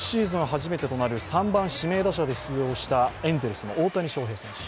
初めてとなる３番・指名打者で出場したエンゼルスの大谷翔平選手。